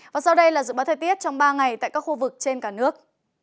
và sau đây là dự báo thời tiết trong ba ngày tại các khu vực trên cả nước